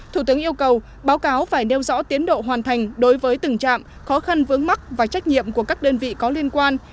thủ tướng yêu cầu báo cáo phải nêu rõ tiến độ hoàn thành đối với từng trạm khó khăn vướng mắc và trách nhiệm của các đơn vị có liên quan